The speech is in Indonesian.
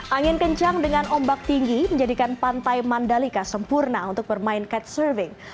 angin kencang dengan ombak tinggi menjadikan pantai mandalika sempurna untuk bermain kite surfing